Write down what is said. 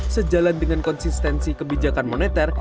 sejalan dengan konsistensi kebijakan moneter